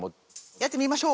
やってみましょう！